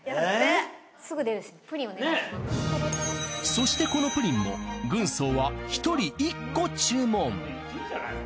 そしてこのプリンも軍曹は１人１個注文。